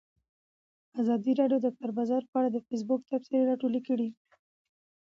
ازادي راډیو د د کار بازار په اړه د فیسبوک تبصرې راټولې کړي.